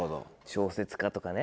小説家とかね。